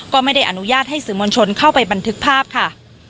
ก็ไม่ได้อนุญาตให้สื่อมวลชนเข้าไปบันทึกภาพค่ะ